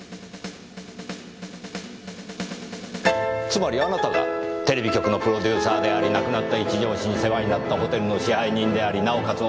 つまりあなたがテレビ局のプロデューサーであり亡くなった一条氏に世話になったホテルの支配人でありなおかつ